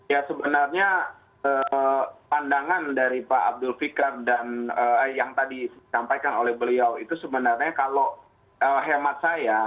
ya sebenarnya pandangan dari pak abdul fikar dan yang tadi disampaikan oleh beliau itu sebenarnya kalau hemat saya